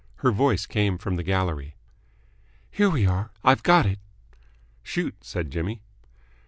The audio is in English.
Her voice came from the gallery. "Here we are. I've got it." "Shoot," said Jimmy.